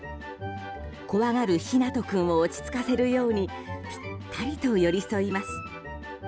怖がる、ひなと君を落ち着かせるようにぴったりと寄り添います。